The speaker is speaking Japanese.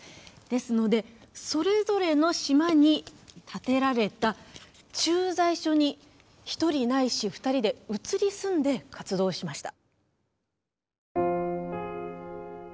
ですのでそれぞれの島に建てられた駐在所に１人ないし２人で移り住んで活動しました。